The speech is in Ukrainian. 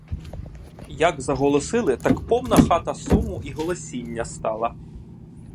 Як заголосили, так повна хата суму і голосіння стала!